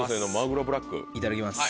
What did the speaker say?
いただきます。